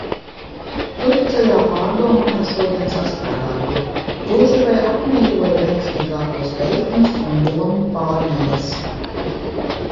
Turpceļā pārdomāju šodien sastrādāto, gluži vai apmīļoju veiksmīgākos teikumus un domu pārmijas.